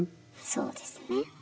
そうですね。